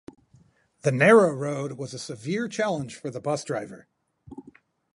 The narrow road was a severe challenge for the bus driver.